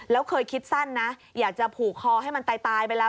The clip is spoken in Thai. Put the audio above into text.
แล้วเคยคิดสั้นนะอยากจะผูกคอให้มันตายไปแล้ว